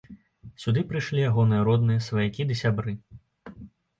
Сюды прыйшлі ягоныя родныя, сваякі ды сябры.